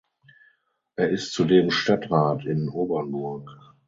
Er ist zudem Stadtrat in Obernburg.